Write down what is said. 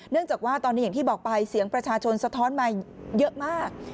จากว่าตอนนี้อย่างที่บอกไปเสียงประชาชนสะท้อนมาเยอะมาก